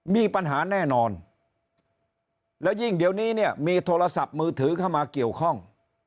มีปัญหาแน่นอนแล้วยิ่งเดี๋ยวนี้เนี่ยมีโทรศัพท์มือถือเข้ามาเกี่ยวข้อง